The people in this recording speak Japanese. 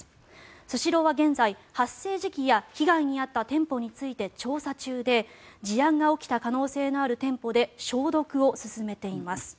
スシローは現在、発生時期や被害に遭った店舗について調査中で事案が起きた可能性がある店舗で消毒を進めています。